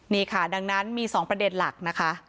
นี่ค่ะดังนั้นมี๒ประเด็นหลักนะคะ